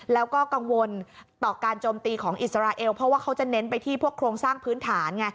แล้วก็กังวลต่อการโจมตีของอิสราเอลเพราะว่าเขาจะเน้นไปที่พวกโครงสร้างพื้นฐานไง